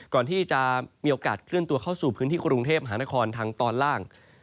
ก่อนที่จะมีโอกาสเคลื่อนตัวเข้าสู่พื้นที่กรุงเทพมหานครทางตอนล่าง